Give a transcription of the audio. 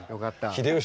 秀吉